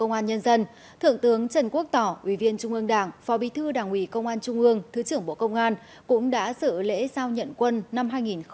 công an nhân dân thượng tướng trần quốc tỏ ủy viên trung ương đảng phó bí thư đảng ủy công an trung ương thứ trưởng bộ công an cũng đã dự lễ giao nhận quân năm hai nghìn hai mươi ba